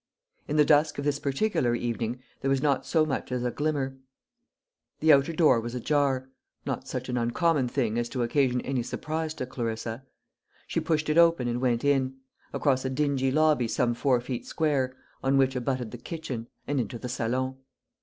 In the dusk of this particular evening there was not so much as a glimmer. The outer door was ajar not such an uncommon thing as to occasion any surprise to Clarissa. She pushed it open and went in, across a dingy lobby some four feet square, on which abutted the kitchen, and into the salon.